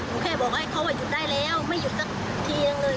แค่บอกให้เขาว่าหยุดได้แล้วไม่หยุดสักทีนึงเลย